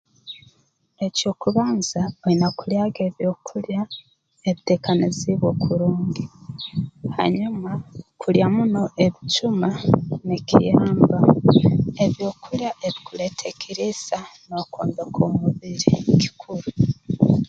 Eky'okubanza oine kulyaga ebyokulya ebiteekaniziibwe kurungi hanyuma kulya muno ebijuma nikiyamba ebyokulya ebikuleeta ekiriisa n'okwombeka omubiri kikuru